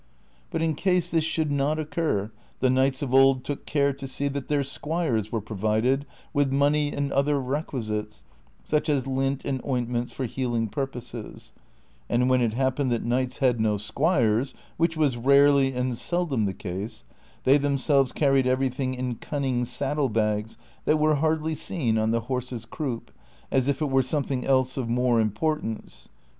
But in case this should not occur, the knights of old took care to see that their squires were provided with money and other requisites, such as lint and ointments for healing purposes ; and when it haj) pened that knights had no squires (which was rarely and seldom the case) they themselves carried everything in cun ning saddle bags that were hardly seen on the horse's croup, as if it were soiuething else of more importance," because, unless ■ In the original, b/anca, a coin wortli about one seventh of a farthing.